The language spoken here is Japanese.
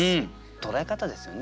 捉え方ですよね。